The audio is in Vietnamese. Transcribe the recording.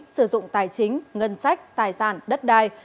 sử dụng tài chính ngân sách tài sản đất đai